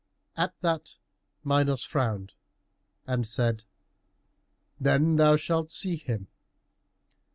At that Minos frowned and said, "Then thou shalt see him."